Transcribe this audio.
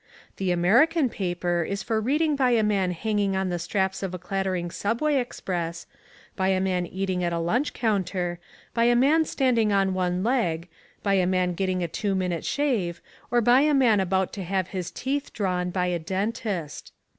The American paper is for reading by a man hanging on the straps of a clattering subway express, by a man eating at a lunch counter, by a man standing on one leg, by a man getting a two minute shave, or by a man about to have his teeth drawn by a dentist.